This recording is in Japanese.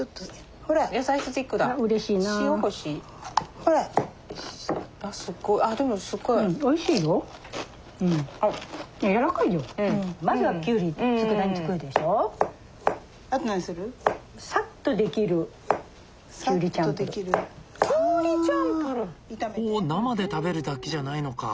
ほう生で食べるだけじゃないのか。